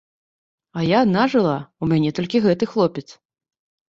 А я адна жыла, у мяне толькі гэты хлопец.